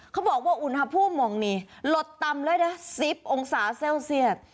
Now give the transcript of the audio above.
เขาบอกว่าอุณหภูมิมองนี้หลดต่ำเลยนะ๑๐องศาเซลเซียต